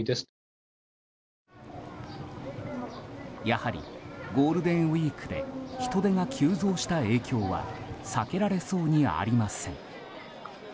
やはりゴールデンウィークで人出が急増した影響は避けられそうにありません。